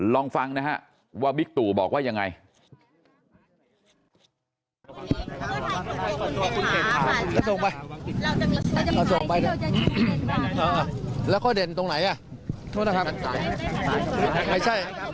ลองฟังนะฮะว่าบิ๊กตู่บอกว่ายังไง